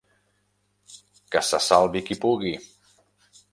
Que se salvi qui pugui...